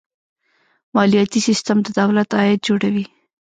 مالیاتي سیستم د دولت عاید جوړوي.